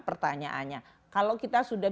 pertanyaannya kalau kita sudah